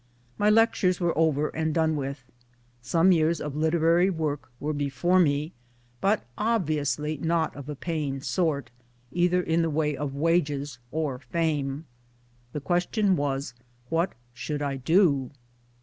I My lectures were over and done with ; some years of literary work were before me, but obviously not of a paying sort, either in the way of wages or fame. The question was What should I do?